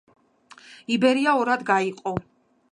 იბერია ორად გაიყო.